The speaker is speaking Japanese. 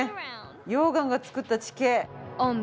溶岩が作った地形。